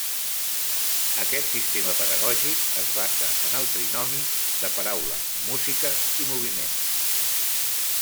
Aquest sistema pedagògic es basa en el trinomi de paraula, música i moviment.